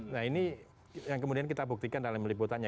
nah ini yang kemudian kita buktikan dalam liputannya